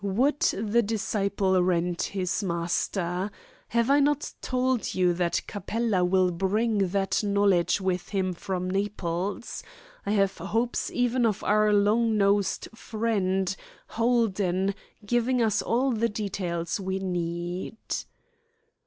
Would the disciple rend his master? Have I not told you that Capella will bring that knowledge with him from Naples? I have hopes even of your long nosed friend, Holden, giving us all the details we need."